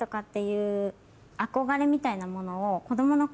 みたいなものを。